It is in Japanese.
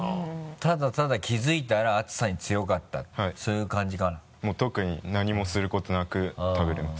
ただただ気づいたら熱さに強かったそういう感じかなもう特に何もすることなく食べれます。